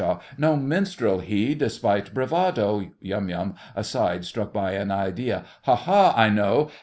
No minstrel he, despite bravado! YUM. (aside, struck by an idea). Ha! ha! I know!